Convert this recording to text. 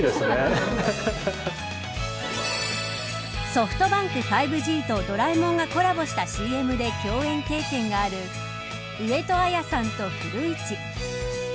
ソフトバンク５ＧとドラえもんがコラボしたＣＭで共演経験がある上戸彩さんと古市。